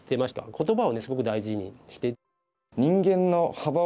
言葉をすごく大事にして。